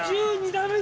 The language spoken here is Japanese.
１２打目。